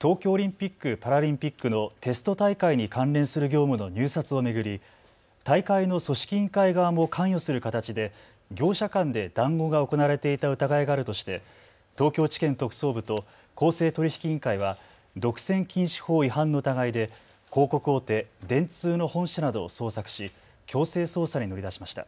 東京オリンピック・パラリンピックのテスト大会に関連する業務の入札を巡り大会の組織委員会側も関与する形で業者間で談合が行われていた疑いがあるとして東京地検特捜部と公正取引委員会は独占禁止法違反の疑いで広告大手、電通の本社などを捜索し強制捜査に乗り出しました。